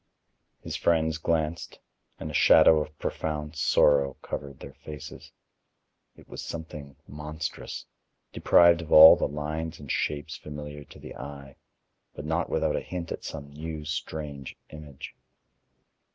His friends glanced and a shadow of profound sorrow covered their faces. It was something monstrous, deprived of all the lines and shapes familiar to the eye, but not without a hint at some new, strange image.